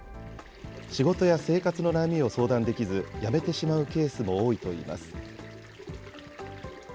仕事や生活の悩みを相談できず、辞めてしまうケースも多いといいます。